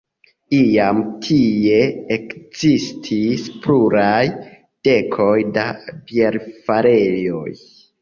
Iam tie ekzistis pluraj dekoj da bierfarejoj.